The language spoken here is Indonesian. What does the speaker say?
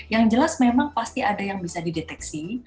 yang jelas memang pasti ada yang bisa dideteksi